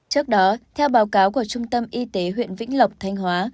trước đó theo báo cáo của trung tâm y tế huyện vĩnh lộc thanh hóa